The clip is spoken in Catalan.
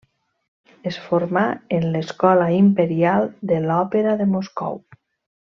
Es formà en l'Escola Imperial de l'Òpera de Moscou.